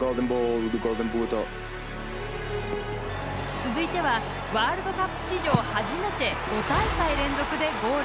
続いてはワールドカップ史上初めて５大会連続でゴール！